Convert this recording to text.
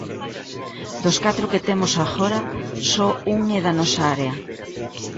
Dos catro que temos agora, só un é da nosa área.